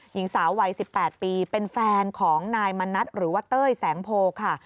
หญิงสาววัย๑๘ปีเป็นแฟนของนายมณัฐหรือว่าเต้ยแสงโพค่ะ